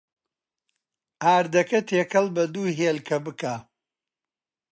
ئاردەکە تێکەڵ بە دوو هێلکە بکە.